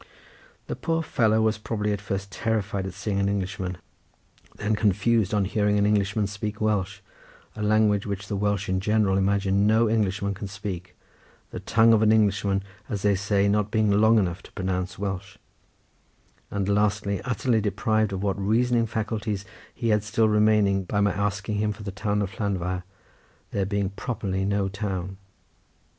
The poor fellow was probably at first terrified at seeing an Englishman, then confused at hearing an Englishman speak Welsh, a language which the Welsh in general imagine no Englishman can speak, the tongue of an Englishman as they say not being long enough to pronounce Welsh; and lastly utterly deprived of what reasoning faculties he had still remaining by my asking him for the town of Llanfair, there being properly no town.